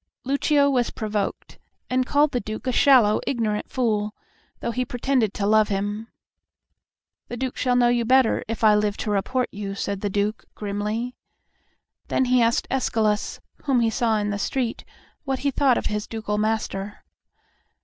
Lucio was provoked, and called the Duke "a shallow, ignorant fool," though he pretended to love him. "The Duke shall know you better if I live to report you," said the Duke, grimly. Then he asked Escalus, whom he saw in the street, what he thought of his ducal master.